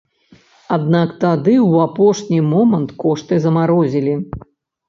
Аднак тады ў апошні момант кошты замарозілі.